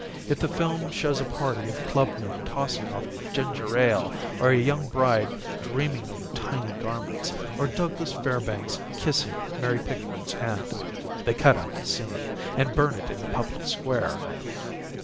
If the film shows a party of clubmen tossing off ginger ale, Or a young bride dreaming over tiny garments, Or Douglas Fairbanks kissing Mary Pickford's hand, They cut out the scene And burn it in the public square.